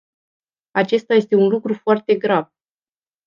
Acesta este un lucru foarte grav.